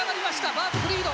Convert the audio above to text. バーコフリード。